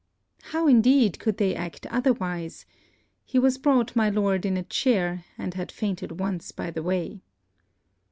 How indeed could they act otherwise! He was brought, my Lord, in a chair; and had fainted once by the way.